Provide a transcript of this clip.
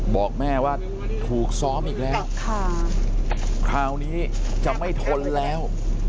บอกแม่ว่าถูกซ้อมอีกแล้วคราวนี้จะไม่ทนแล้ว